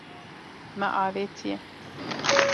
Me avêtiye.